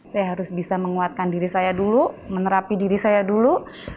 saya harus bisa menguatkan diri saya dulu menerapi diri saya dulu